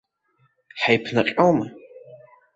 Ҳаиԥнаҟьоума?